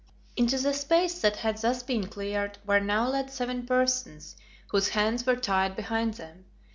Into the space that had thus been cleared were now led seven persons, whose hands were tied behind them.